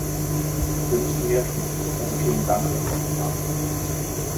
Wir müssen mehr tun, also vielen Dank, Herr Kommissar.